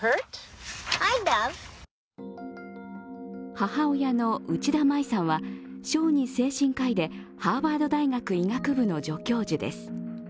母親の内田舞さんは小児精神科医でハーバード大学医学部の助教授です。